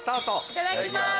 ・いただきます。